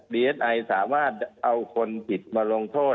ดีเอสไอสามารถเอาคนผิดมาลงโทษ